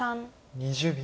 ２０秒。